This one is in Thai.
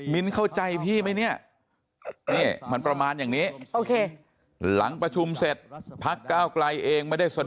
มิ้นเข้าใจพี่ไหมเนี่ยมันประมาณอย่างนี้